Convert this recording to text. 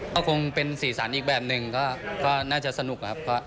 ก็คงเป็นสีสันอีกแบบหนึ่งก็น่าจะสนุกครับ